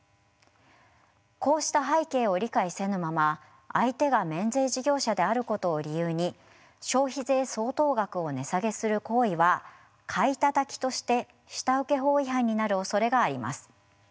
こうした背景を理解せぬまま相手が免税事業者であることを理由に消費税相当額を値下げする行為は「買いたたき」として下請け法違反になるおそれがあります。